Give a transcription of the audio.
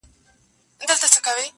هڅه تل بریا راولي.